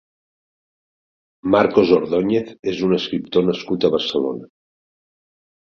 Marcos Ordóñez és un escriptor nascut a Barcelona.